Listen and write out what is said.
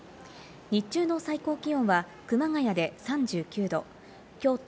日中の最高気温は熊谷で３９度、京都